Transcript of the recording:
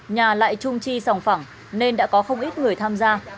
nhà lại trung chi sòng phẳng nên đã có không ít người tham gia